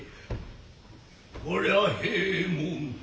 こりゃ平右衛門。